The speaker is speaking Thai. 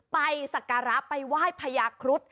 ไปสาการาไปว่ายพญาครุฑ